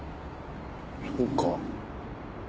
そうか。